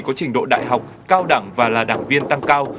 có trình độ đại học cao đẳng và là đảng viên tăng cao